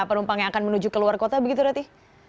penumpang yang akan menuju ke luar kota begitu roti